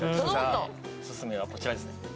オススメはこちらですね。